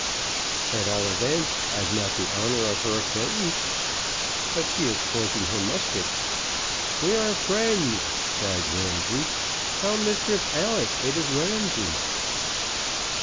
"At all events, I've not the honour of her acquaintance. But she is pointing her musket, we are friends," cried Ramsay. "Tell Mistress Alice it is Ramsay."